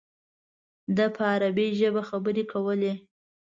ده په عربي ژبه خبرې کولې.